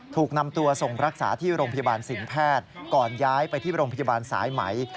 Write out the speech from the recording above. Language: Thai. ถูกนำตัวส่งรักษาที่โรงพยาบาลสินแพทย์ก่อนย้ายไปที่โรงพยาบาลสายไหม